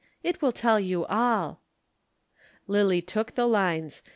"It will tell you all." Lillie took the lines.